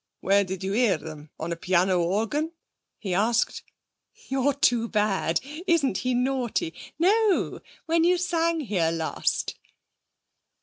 'Where did you hear them? On a piano organ?' he asked. 'You're too bad! Isn't he naughty? No, when you sang here last.'